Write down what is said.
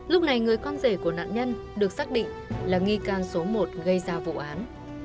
lúc này người con rể của nạn nhân được xác định là nghi can số một gây ra vụ án